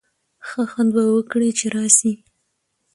ښه خوند به وکړي چي راسی.